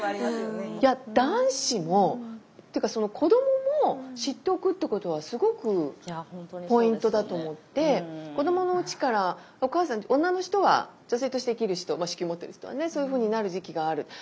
いや男子も子どもも知っておくってことはすごくポイントだと思って子どものうちからお母さん女の人は女性として生きる人子宮を持ってる人はねそういうふうになる時期がある。